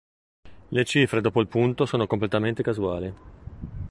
Le cifre dopo il punto sono completamente casuali.